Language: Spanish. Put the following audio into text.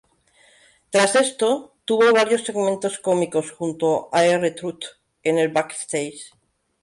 Tras esto, tuvo varios segmentos cómicos junto a R-Truth en el backstage.